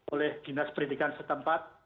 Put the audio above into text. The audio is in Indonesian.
oleh dinas pendidikan setempat